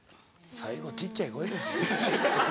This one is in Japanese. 最後小っちゃい声で。